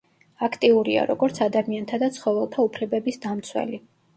აქტიურია, როგორც ადამიანთა და ცხოველთა უფლებების დამცველი.